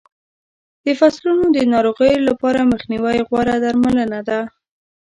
د فصلونو د ناروغیو لپاره مخنیوی غوره درملنه ده.